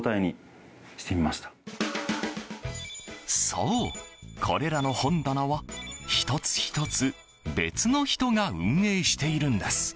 そう、これらの本棚は１つ１つ別の人が運営しているんです。